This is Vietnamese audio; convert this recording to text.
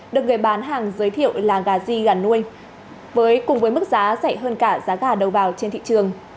được người bán hàng giới thiệu là gà di gà nuôi cùng với mức giá rẻ hơn cả giá gà đầu vào trên thị trường